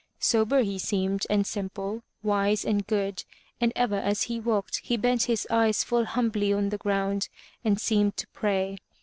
Sober he seemed, and simple, wise and good, and ever as he walked he bent his eyes full humbly on the ground, and seemed to pray.